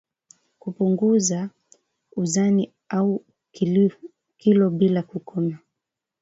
Kupunguza uzani au kilo bila kukoma